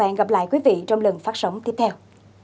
hẹn gặp lại quý vị trong lần phát sóng tiếp theo